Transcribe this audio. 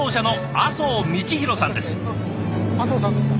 阿相さんですか？